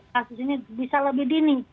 kasus ini bisa lebih dini